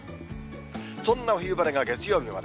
そんな冬晴れは月曜日まで。